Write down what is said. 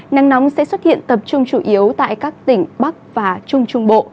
nắng nóng sẽ xuất hiện tập trung chủ yếu tại các tỉnh bắc và trung trung bộ